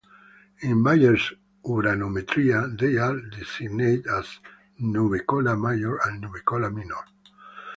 In Bayer's "Uranometria" they are designated as "nubecula major" and "nubecula minor".